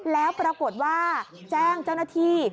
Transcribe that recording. แล้วปรากฏว่าแจ้งเจ้าหน้าที่